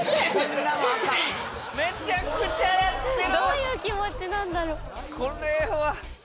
どういう気持ちなんだろ